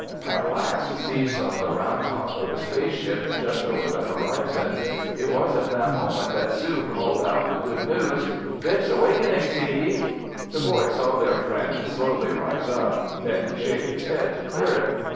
At last Steve saw the round top of the space ship just over the horizon. It was at that moment that Sue called out the good news: "Biff's awakening, Steve!" The boy saw their friend slowly rise up, then shake his head to clear it.